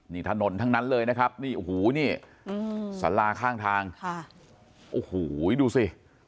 นี่ถนนทั้งนั้นเลยนะครับนี่โอ้โหนี่สาราข้างทางโอ้โหดูสิ